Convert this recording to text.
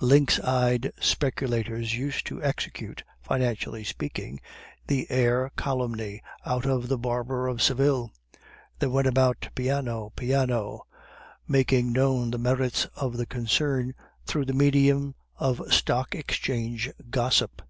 Lynx eyed speculators used to execute (financially speaking) the air Calumny out of The Barber of Seville. They went about piano, piano, making known the merits of the concern through the medium of stock exchange gossip.